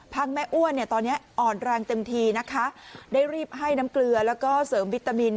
แม่อ้วนเนี่ยตอนนี้อ่อนแรงเต็มทีนะคะได้รีบให้น้ำเกลือแล้วก็เสริมวิตามิน